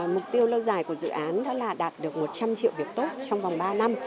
mục tiêu lâu dài của dự án đó là đạt được một trăm linh triệu việc tốt trong vòng ba năm